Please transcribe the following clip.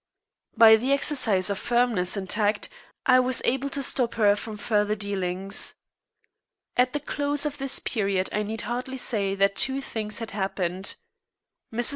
By the exercise of firmness and tact I was able to stop her from further dealings. At the close of this period I need hardly say that two things had happened. Mrs.